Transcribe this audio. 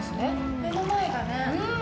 目の前がね。